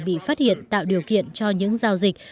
bị phát hiện tạo điều kiện cho những giao dịch